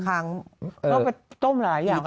เขาก็ไปต้มหลายอย่าง